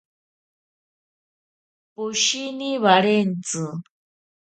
Poshini warentsi.